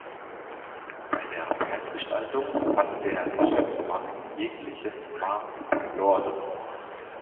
Bei der Preisgestaltung hat der Geschäftsmann jegliches Maß verloren.